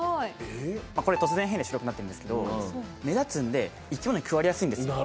これは突然変異で白くなってるんですけど目立つので生き物に食われやすいんですよ。